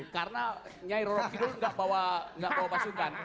karena nyai roro kidul gak bawa pasukan